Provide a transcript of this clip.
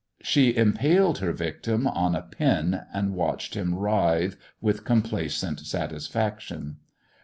She impaled her victim on a pin, and watched bim writhe with complacent satisfaction.